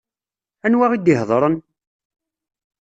Anwa i d-iheḍṛen?